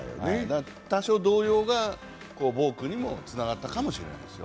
多少、動揺がボークにもつながったかもしれないです。